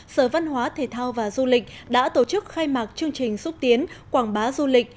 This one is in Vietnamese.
sở văn hóa thể thao và du lịch đã tổ chức khai mạc chương trình xúc tiến quảng bá du lịch